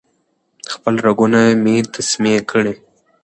خپل رګونه مې تسمې کړې